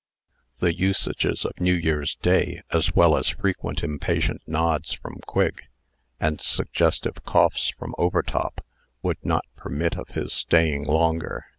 The usages of New Year's day, as well as frequent impatient nods from Quigg, and suggestive coughs from Overtop, would not permit of his staying longer.